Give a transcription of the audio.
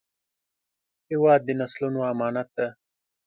هېواد د نسلونو امانت دی